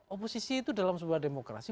oposisi itu dalam sebuah demokrasi